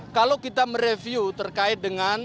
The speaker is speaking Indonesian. kalau kita mereview terkait dengan